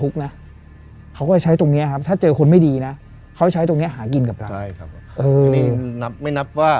คนไปหาหมอดูคนนั้นมีความทุกข์นะ